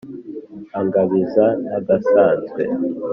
Angabiza Nagasanzwe